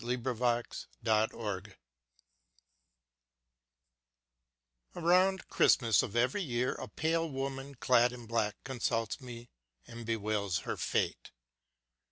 LOOKING BACKWARD Around Christmas of every year a pale woman clad in black consults me and bewails her fate.